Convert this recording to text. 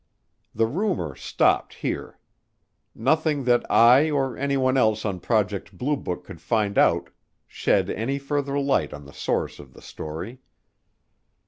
The rumor stopped here. Nothing that I or anyone else on Project Blue Book could find out shed any further light on the source of the story.